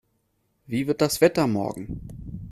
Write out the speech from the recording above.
Wie wird das Wetter morgen?